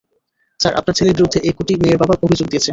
Sir, আপনার ছেলের বিরুদ্ধে এ কটি মেয়ের বাবা অভিযোগ দিয়েছে।